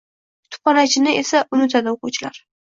Kutubxonachini esa unitadi oʻquvchilar